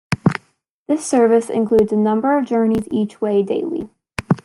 This service includes a number of journeys each way daily.